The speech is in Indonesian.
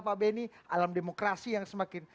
pak benny alam demokrasi yang semakin